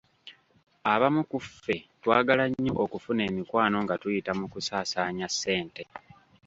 Abamu ku ffe twagala nnyo okufuna emikwano nga tuyita mu kusaasanya ssente.